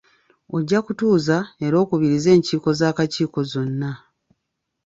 Ojja kutuuza era okubirize enkiiko z'akakiiko zonna.